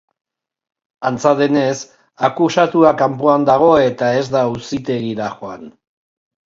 Antza denez, akusatua kanpoan dago eta ez da auzitegira joan.